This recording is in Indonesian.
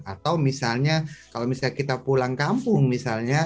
atau misalnya kalau misalnya kita pulang kampung misalnya